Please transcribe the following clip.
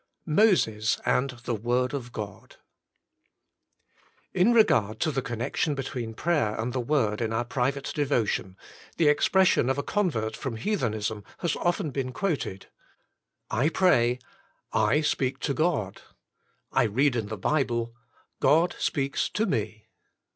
MOSES AND THE WORD OF GOD In regard to the connection between prayer and the word in our private devotion, the expression of a convert from heathenism has often been quoted: I pray, I speak to God; I read in the Bible, God speaks to me.